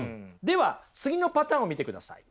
では次のパターンを見てください。